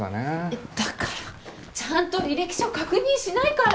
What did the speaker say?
えっだからちゃんと履歴書確認しないから。